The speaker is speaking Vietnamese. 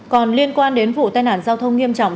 còn liên quan đến vụ tai nạn giao thông nghiêm trọng